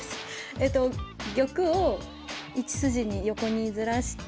えと玉を１筋に横にずらして。